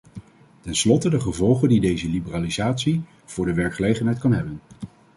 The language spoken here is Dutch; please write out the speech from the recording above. Tenslotte de gevolgen die deze liberalisatie voor de werkgelegenheid kan hebben.